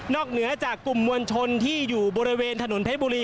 เหนือจากกลุ่มมวลชนที่อยู่บริเวณถนนเพชรบุรี